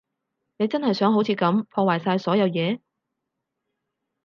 你真係想好似噉破壞晒所有嘢？